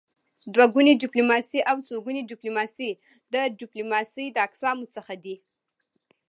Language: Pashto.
دوه ګوني ډيپلوماسي او څوګوني ډيپلوماسي د ډيپلوماسی د اقسامو څخه دي.